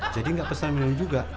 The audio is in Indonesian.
jadi gak pesan minum juga